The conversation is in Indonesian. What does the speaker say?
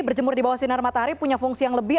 berjemur di bawah sinar matahari punya fungsi yang lebih